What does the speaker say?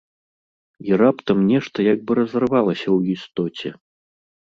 І раптам нешта як бы разарвалася ў істоце.